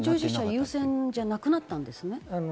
優先じゃなくなったんですか？